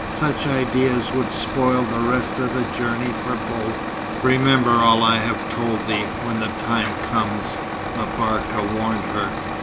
Such ideas would spoil the rest of the journey for both. "Remember all I have told thee, when the time comes," M'Barka warned her.